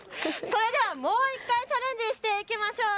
それではもう１回、チャレンジしていきましょう。